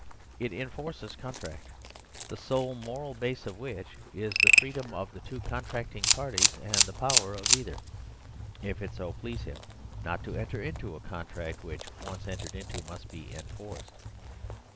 It enforces contract, the sole moral base of which is the freedom of the two con tracting parties, and the power of either, if it so please him, not to enter into a contract which, once entered into, must be enforced.